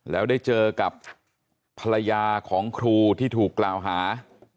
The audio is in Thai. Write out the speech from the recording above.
แล้วได้เจอกับภรรยาของครูที่ถูกกล่าวหา